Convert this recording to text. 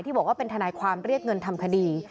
บอกว่าเป็นทนายความเรียกเงินทำคดี